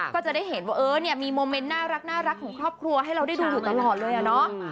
ก็จะได้เห็นว่าเออเนี่ยมีโมเมนต์น่ารักของครอบครัวให้เราได้ดูอยู่ตลอดเลยอะเนาะ